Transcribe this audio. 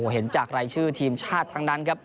เห็นจากรายชื่อทีมชาติทั้งนั้นครับ